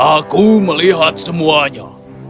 aku melihat semuanya